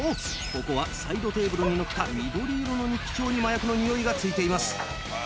ここはサイドテーブルにのった緑色の日記帳に麻薬のニオイがついています。